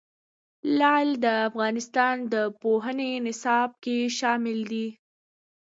لعل د افغانستان د پوهنې نصاب کې شامل دي.